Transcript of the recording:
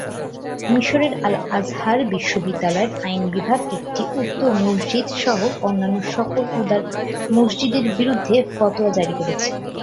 মিশরের আল-আজহার বিশ্ববিদ্যালয়ের আইন বিভাগ একটি উক্ত মসজিদ সহ অন্যান্য সকল উদার মসজিদের বিরুদ্ধে ফতোয়া জারি করেছে।